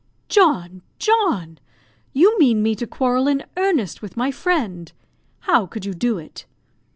"John, John! you mean me to quarrel in earnest with my friend. How could you do it?"